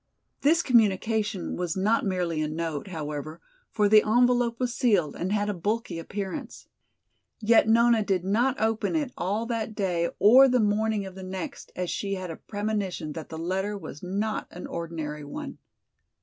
This communication was not merely a note, however, for the envelope was sealed and had a bulky appearance. Yet Nona did not open it all that day or the morning of the next as she had a premonition that the letter was not an ordinary one.